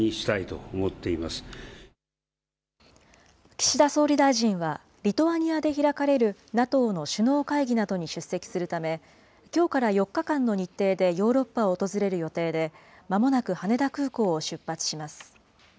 岸田総理大臣はリトアニアで開かれるＮＡＴＯの首脳会議などに出席するため、きょうから４日間の日程でヨーロッパを訪れる予定で、まもなく羽田空港を出発します。